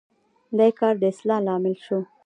دې کار د اصلاح لامل شو.